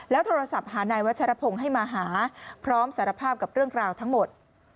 โทรศัพท์หานายวัชรพงศ์ให้มาหาพร้อมสารภาพกับเรื่องราวทั้งหมด